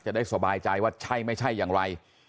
จะได้สบายใจว่าใช่ไม่ใช่อย่างไร